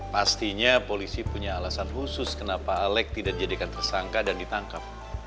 pastinya polisi punya alasan khusus kenapa alex tidak dijadikan tersangka dan ditangkap